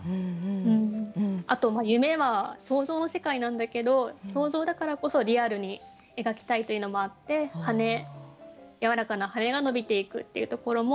あと夢は想像の世界なんだけど想像だからこそリアルに描きたいというのもあって「やわらかな翅はのびてゆく」っていうところも書いてみました。